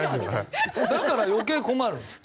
だから余計困るんです。